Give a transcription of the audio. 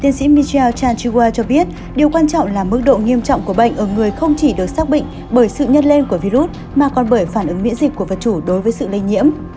tiến sĩ michel chanchiwa cho biết điều quan trọng là mức độ nghiêm trọng của bệnh ở người không chỉ được xác định bởi sự nhân lên của virus mà còn bởi phản ứng miễn dịch của vật chủ đối với sự lây nhiễm